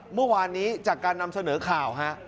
เมื่อวานนี้จากการนำเสนอข่าวฮะ